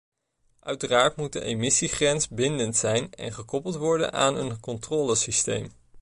Uiteraard moet de emissiegrens bindend zijn en gekoppeld worden aan een controlesysteem.